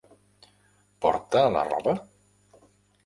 Porta la roba?